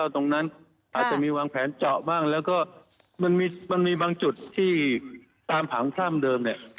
ตรงนั้นอาจจะมีวางแผนเจาะบ้างแล้วก็มันมีบางจุดที่ตามผังคร่ำเดิมเนี่ย